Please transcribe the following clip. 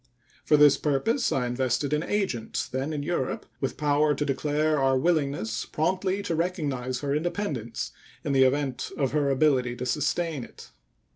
For this purpose I invested an agent then in Europe with power to declare our willingness promptly to recognize her independence in the event of her ability to sustain it.